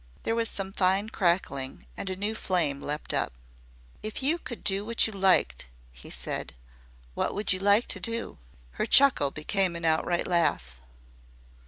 There was some fine crackling and a new flame leaped up. "If you could do what you liked," he said, "what would you like to do?" Her chuckle became an outright laugh.